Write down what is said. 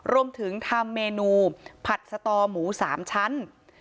รวมถึงทำเมนูผัดสตอหมู๓ชั้น